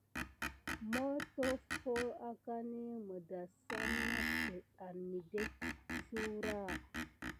Motoffo akani midasame nafet an mikeka sura.